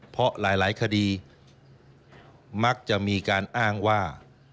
เพราะหลายคดีมักจะมีการอ้างว่า